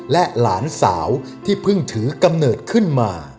และหลานสาวที่เพิ่งถือกำเนิดขึ้นมา